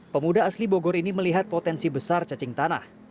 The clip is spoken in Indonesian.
pemuda asli bogor ini melihat potensi besar cacing tanah